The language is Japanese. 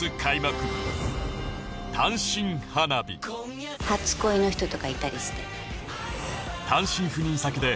土曜よる初恋の人とかいたりして。